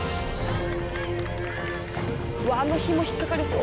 うわっあのひも引っ掛かりそう。